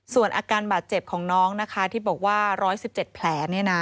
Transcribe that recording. ส่วนอาการบาดเจ็บของน้องนะคะที่บอกว่า๑๑๗แผล